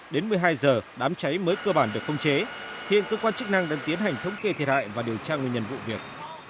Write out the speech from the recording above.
đến một mươi hai h đám cháy mới cơ bản được không chế hiện cơ quan chức năng đang tiến hành thống kê thiệt hại và điều tra nguyên nhân vụ việc